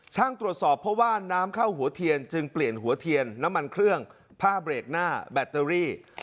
ตรวจสอบเพราะว่าน้ำเข้าหัวเทียนจึงเปลี่ยนหัวเทียนน้ำมันเครื่องผ้าเบรกหน้าแบตเตอรี่